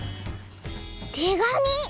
てがみ！